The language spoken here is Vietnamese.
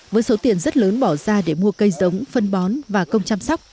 với số tiền rất lớn bỏ ra để mua cây giống phân bón và công chăm sóc